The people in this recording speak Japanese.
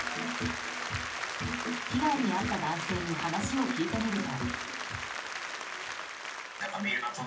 被害に遭った男性に話を聞いてみると。